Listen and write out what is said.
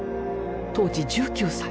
当時１９歳。